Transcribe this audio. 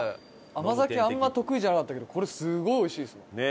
甘酒あんま得意じゃなかったけどこれすごいおいしいですね。